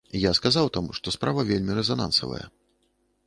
Я сказаў там, што справа вельмі рэзанансавая.